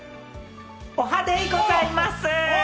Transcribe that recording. おはデイございます！